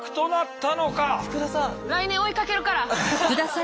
来年追いかけるから。